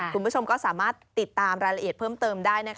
คุณผู้ชมก็สามารถติดตามรายละเอียดเพิ่มเติมได้